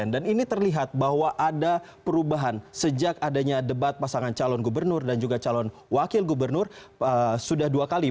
dan ini terlihat bahwa ada perubahan sejak adanya debat pasangan calon gubernur dan juga calon wakil gubernur sudah dua kali